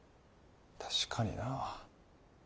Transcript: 確かになぁ。